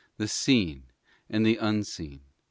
The seen and the unseen?